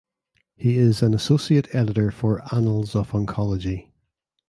He is an Associate Editor for Annals of Oncology.